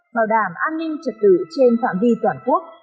bảo đảm an ninh trật tự trên phạm vi toàn quốc